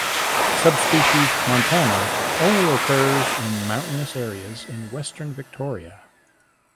Subspecies "montana" only occurs in mountainous areas in western Victoria.